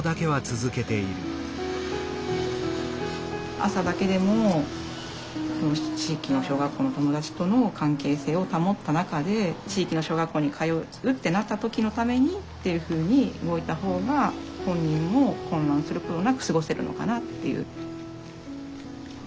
朝だけでも地域の小学校の友達との関係性を保った中で地域の小学校に通うってなった時のためにっていうふうに動いた方が本人も混乱することなく過ごせるのかなっていう。